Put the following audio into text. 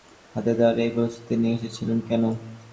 তাদের মোকাবিলা করার জন্য লাঠি হাতে তাঁরা এই প্রস্তুতি নিয়ে এসেছিলেন।